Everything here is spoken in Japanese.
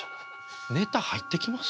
ネタ入ってきます？